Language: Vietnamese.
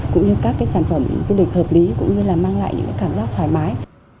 cũng như các cái sản phẩm du lịch hợp lý cũng như là mang lại những cảm giác thoải mái